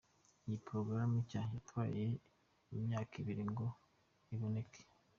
Iyi porogaramu nshya yatwaye imyaka ibiri ngo iboneke.